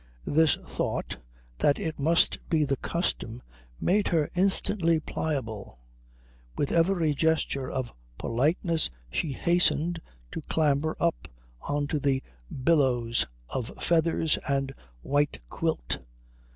This thought, that it must be the custom, made her instantly pliable. With every gesture of politeness she hastened to clamber up on to the billows of feathers and white quilt.